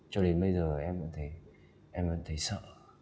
cho đến bây giờ em vẫn thấy em vẫn thấy sợ